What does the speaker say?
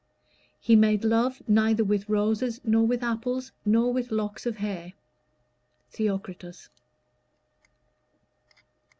"He made love neither with roses, nor with apples, nor with locks of hair." THEOCRITUS.